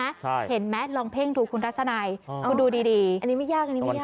ใช่เห็นไหมลองเพ่งดูคุณทัศนัยคุณดูดีดีอันนี้ไม่ยากอันนี้ไม่ยาก